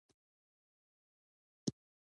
له دې سره د بدۍ اغېز له منځه ځي.